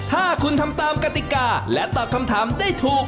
ถ้าคุณทำตามกติกาและตอบคำถามได้ถูก